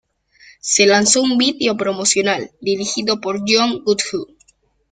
Se lanzó un vídeo promocional, dirigido por John Goodhue.